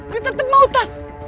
dia tetep mau tas